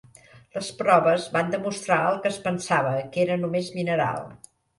Les proves van demostrar el que es pensava que era només mineral.